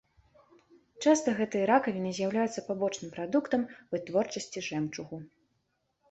Часта гэтыя ракавіны з'яўляюцца пабочным прадуктам вытворчасці жэмчугу.